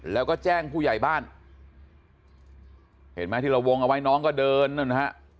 แล้วก็แจ้งผู้ใหญ่บ้านเห็นไหมที่เราวงเอาไว้น้องก็เดินนั่นนะฮะ